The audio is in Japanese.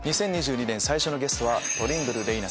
２０２２年最初のゲストは。